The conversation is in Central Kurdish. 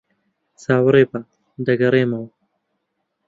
چاوەڕێبە. دەگەڕێمەوە.